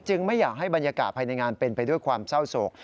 ไม่อยากให้บรรยากาศภายในงานเป็นไปด้วยความเศร้าโศก